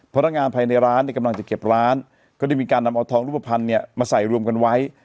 พนักงานภายในร้านเนี่ยกำลังจะเก็บร้านก็ได้มีการนำเอาทองรูปภัณฑ์เนี่ยมาใส่รวมกันไว้